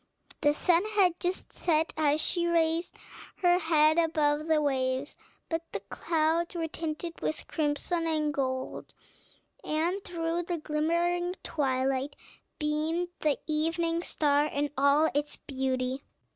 The sun had just set as she raised her head above the waves; but the clouds were tinted with crimson and gold, and through the glimmering twilight beamed the evening star in all its beauty.